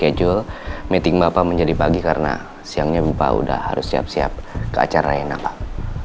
dan saya juga udah reschedule meeting bapak menjadi pagi karena siangnya bapak udah harus siap siap ke acara reina pak